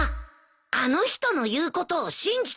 あの人の言うことを信じちゃ駄目だよ。